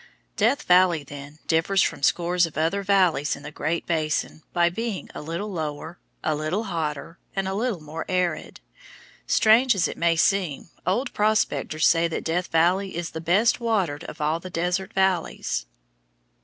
Death Valley, then, differs from scores of other valleys in the Great Basin by being a little lower, a little hotter, and a little more arid. Strange as it may seem, old prospectors say that Death Valley is the best watered of all the desert valleys.